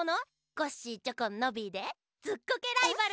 コッシーチョコンノビーで「ずっこけライバル」。